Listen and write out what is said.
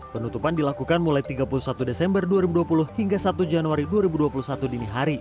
penutupan dilakukan mulai tiga puluh satu desember dua ribu dua puluh hingga satu januari dua ribu dua puluh satu dini hari